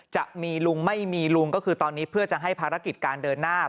จะมีลุงไม่มีลุงก็คือตอนนี้เพื่อจะให้ภารกิจการเดินหน้า